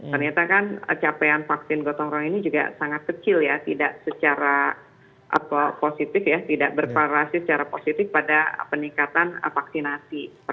ternyata kan capaian vaksin gotong royong ini juga sangat kecil ya tidak secara positif ya tidak berparasi secara positif pada peningkatan vaksinasi